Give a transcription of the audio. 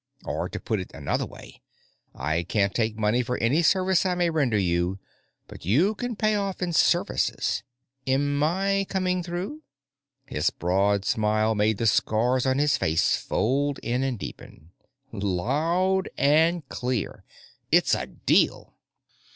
"Or, to put it another way, I can't take money for any service I may render you, but you can pay off in services. Am I coming through?" His broad smile made the scars on his face fold in and deepen. "Loud and clear. It's a deal."